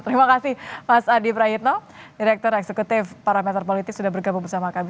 terima kasih mas adi prayitno direktur eksekutif parameter politik sudah bergabung bersama kami